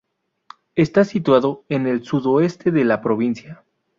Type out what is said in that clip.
Está situado en el sudoeste de la provincia.